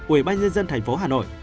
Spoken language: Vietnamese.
ubnd tp hà nội